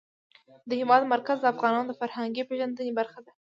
د هېواد مرکز د افغانانو د فرهنګي پیژندنې برخه ده.